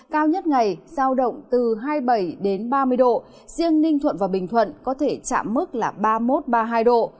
cao nhất ngày sao động từ hai mươi bảy ba mươi độ riêng ninh thuận và bình thuận có thể chạm mức ba mươi một ba mươi hai độ